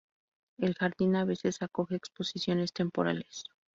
El Jardín a veces acoge exposiciones temporales.